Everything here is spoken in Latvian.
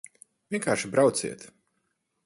Vienkārši brauciet!